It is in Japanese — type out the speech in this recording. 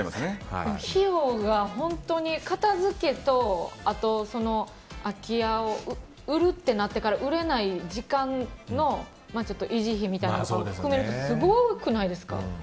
費用が本当に片付けと空き家を売るってなってから売れない時間の維持費みたいなのを含めるとすごくないですか。